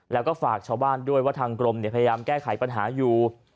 แล้วก็ฝากชาวบ้านด้วยว่าทางกรมพยายามแก้ไขปัญหาอยู่